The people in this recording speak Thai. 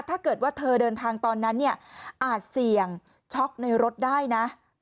ถ้าเธอเดินทางตอนนั้นอาจเสี่ยงช็อกในรถได้นะ